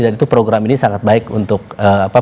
dan itu program ini sangat baik untuk pengentasan kemiskinan